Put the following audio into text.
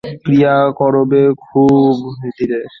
ক্রিয়া করবে খুব ধীরে।